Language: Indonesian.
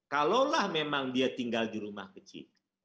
kalaulah memang dia tinggal di rumah kecil